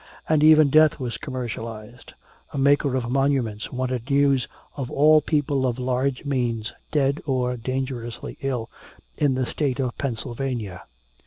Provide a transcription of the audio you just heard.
And even death was commercialized. A maker of monuments wanted news "of all people of large means, dead or dangerously ill, in the State of Pennsylvania."